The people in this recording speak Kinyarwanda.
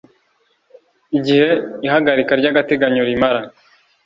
igihe ihagarika ry'agateganyo rimara